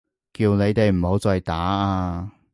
叫你哋唔好再打啊！